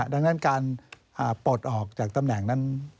ดังนั้นการปลดออกจากตำแหน่งนั้น